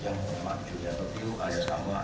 dan mengatakan kalau tergugat pergi ke rumah